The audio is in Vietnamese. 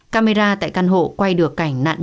camera tại căn hộ quay được cảnh nạn nhân bị đánh